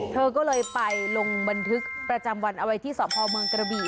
เธอก็เลยไปลงบันทึกประจำวันเอาไว้ที่สพเมืองกระบี่